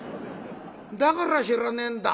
だから知らねえんだ。